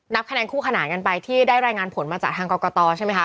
คะแนนคู่ขนานกันไปที่ได้รายงานผลมาจากทางกรกตใช่ไหมคะ